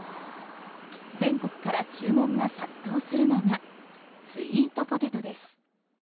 全国から注文が殺到するのがスイートポテトです。